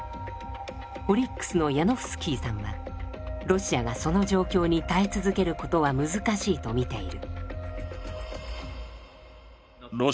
オリックスのヤノフスキーさんはロシアがその状況に耐え続けることは難しいと見ている。